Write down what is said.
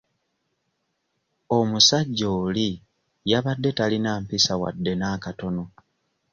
Omusajja oli yabadde talina mpisa wadde n'akatono.